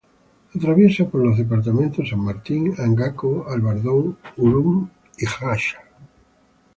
Atraviesa por los departamentos San Martín, Angaco, Albardón, Ullum y Jáchal.